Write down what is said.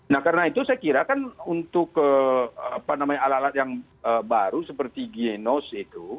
nah karena itu saya kira kan untuk alat alat yang baru seperti genos itu